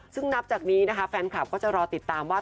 ซึ่งนับจากนี้นะคะแฟนคลับก็จะรอติดตามว่า